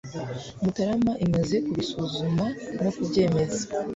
Mutarama imaze kubisuzuma no kubyemeza